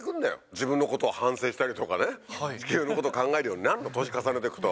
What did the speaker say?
自分のことを反省したりとかね、地球のことを考えるようになるの、年重ねていくと。